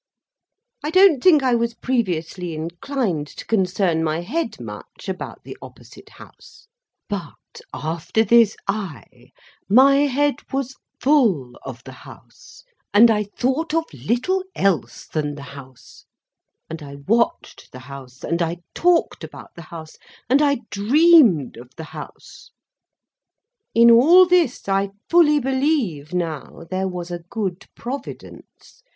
I don't think I was previously inclined to concern my head much about the opposite House; but, after this eye, my head was full of the house; and I thought of little else than the house, and I watched the house, and I talked about the house, and I dreamed of the house. In all this, I fully believe now, there was a good Providence.